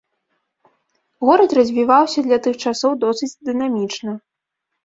Горад развіваўся для тых часоў досыць дынамічна.